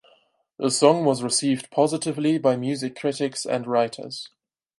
The song was received positively by music critics and writers.